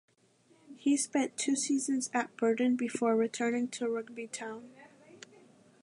He spent two seasons at Burton before returning to Rugby Town.